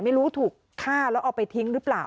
ไม่รู้ถูกฆ่าแล้วเอาไปทิ้งหรือเปล่า